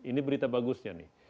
ini berita bagusnya nih